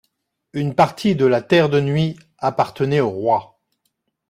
Une partie de la terre de Nuits appartenait au roi.